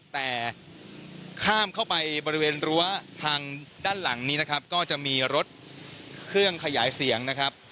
แต่ข้ามเข้าไปบริเวณรั้วทางด้านหลังนี้นะครับก็จะมีรถเครื่องขยายเสียงนะครับ